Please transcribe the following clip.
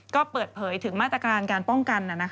ก็เปิดเผยถึงมาตรการการป้องกัน